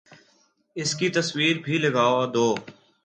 اس کی تصویر بھی لگا دو